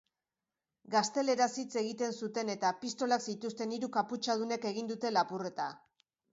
Gazteleraz hitz egiten zuten eta pistolak zituzten hiru kaputxadunek egin dute lapurreta.